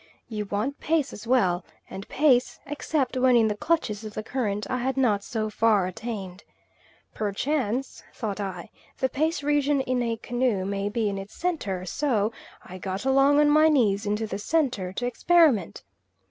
You want pace as well, and pace, except when in the clutches of the current, I had not so far attained. Perchance, thought I, the pace region in a canoe may be in its centre; so I got along on my knees into the centre to experiment.